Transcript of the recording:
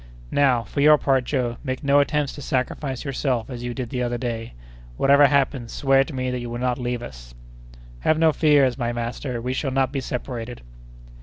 "Now, for your part, Joe, make no attempt to sacrifice yourself as you did the other day! Whatever happens, swear to me that you will not leave us!" "Have no fears, my master, we shall not be separated."